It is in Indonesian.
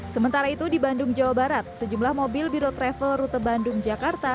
sementara itu di bandung jawa barat sejumlah mobil biro travel rute bandung jakarta